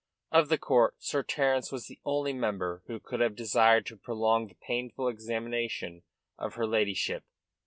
Of the court Sir Terence was the only member who could have desired to prolong the painful examination of her ladyship.